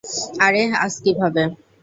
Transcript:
আরে, আজ কিভাবে?